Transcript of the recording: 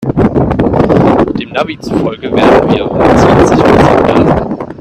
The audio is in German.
Dem Navi zufolge werden wir um zwanzig Uhr sieben da sein.